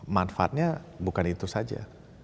manfaatnya bukan itu saja